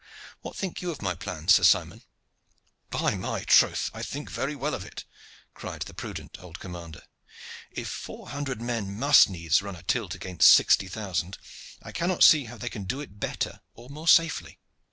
What think you of my plan, Sir Simon?" "By my troth! I think very well of it," cried the prudent old commander. "If four hundred men must needs run a tilt against sixty thousand, I cannot see how they can do it better or more safely."